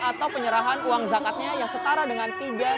atau penyerahan uang zakatnya yang setara dengan tiga